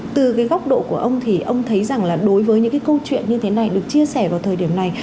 từ góc độ của ông thì ông thấy rằng đối với những câu chuyện như thế này được chia sẻ vào thời điểm này